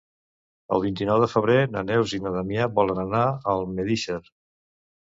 El vint-i-nou de febrer na Neus i na Damià volen anar a Almedíxer.